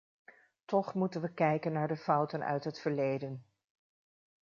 Toch moeten we kijken naar de fouten uit het verleden.